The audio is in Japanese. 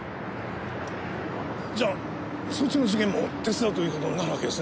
じゃあそっちの事件も手伝うという事になるわけですね。